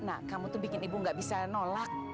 nah kamu tuh bikin ibu gak bisa nolak